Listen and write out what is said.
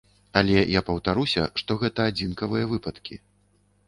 Але я паўтаруся, што гэта адзінкавыя выпадкі.